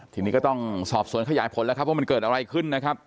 ทีนี้ก็ต้องสอบสวนขยายผลแล้วครับว่ามันเกิดอะไรขึ้นนะครับ